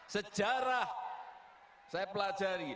sejarah saya pelajari